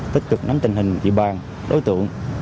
tích cực nắm tình hình dự bàn đối tượng